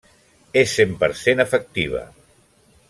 És cent per cent efectiva.